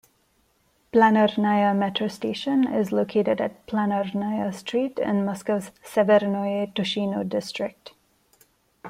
Planernaya metro station is located at Planernaya Street in Moscow's Severnoye Tushino District.